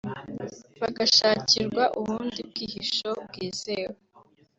bagashakirwa ubundi bwihisho bwizewe